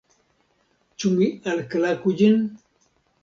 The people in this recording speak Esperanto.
Ĉu mi alklaku ĝin?